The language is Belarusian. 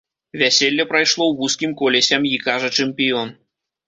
Вяселле прайшло ў вузкім коле сям'і, кажа чэмпіён.